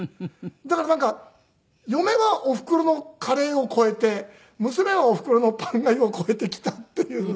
だからなんか嫁がおふくろのカレーを超えて娘がおふくろのパンがゆを超えてきたっていう。